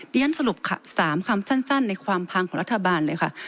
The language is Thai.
เรียนสรุป๓คำสั้นในความพังของรัฐบาลเลยค่ะ